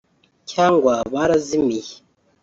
cyangwa barazimiye